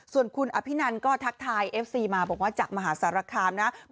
ส่วนคุณอภินันก็ทักทายเอฟซีมาบอกว่าจากมหาสารคามนะ